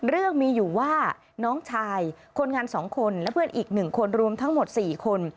เรื่องมีอยู่ว่าน้องชายคนงาน๒คนและเพื่อนอีก๑คนรวมทั้งหมด๔คน